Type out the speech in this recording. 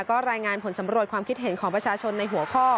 ก็รายงานผลสำรวจความคิดเห็นของประชาชนในหัวข้อ